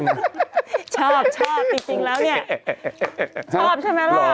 ชอบชอบจริงแล้วนี่